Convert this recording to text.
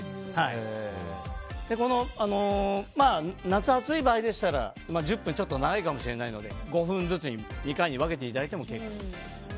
夏、暑い場合でしたら１０分はちょっと長いかもしれないので５分ずつに２回に分けていただいても結構です。